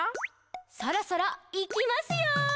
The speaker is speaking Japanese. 「そろそろ、いきますよ！」